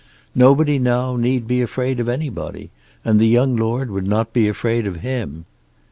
Nobody now need be afraid of anybody, and the young lord would not be afraid of him.